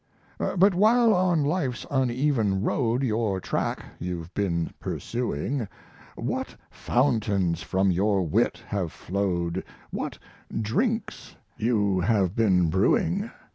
But while on life's uneven road Your track you've been pursuing, What fountains from your wit have flowed What drinks you have been brewing!